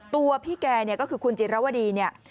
ตัวพี่แกเนี่ยก็คือคุณจิรวดีเนี่ย